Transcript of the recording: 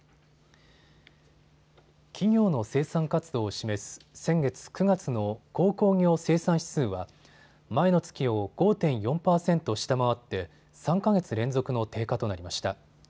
企業の生産活動を示す先月９月の鉱工業生産指数は前の月を５．４％下回って３か月連続の低下となりました。